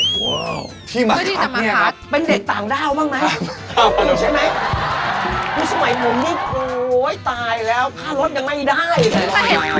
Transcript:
ว้าวที่มาคัดเนี่ยครับเป็นเด็กต่างดาวบ้างไหมใช่ไหมสมัยผมด้วยโอ๊ยตายแล้วค่ารถยังไม่ได้เลย